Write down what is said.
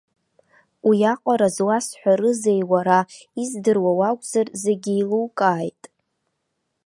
Уиаҟара зуасҳәарызеи, уара издыруа уакәзар, зегьы еилукааит.